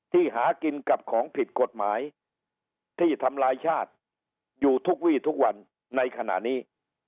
หากินกับของผิดกฎหมายที่ทำลายชาติอยู่ทุกวี่ทุกวันในขณะนี้